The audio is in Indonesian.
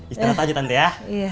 istirahat aja tante ya